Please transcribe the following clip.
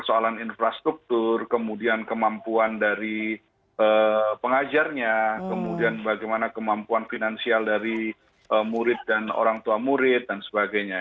soalan infrastruktur kemudian kemampuan dari pengajarnya kemudian bagaimana kemampuan finansial dari murid dan orang tua murid dan sebagainya